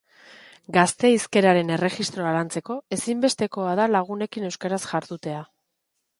Gazte hizkeraren erregistroa lantzeko ezinbestekoa da lagunekin euskaraz jardutea.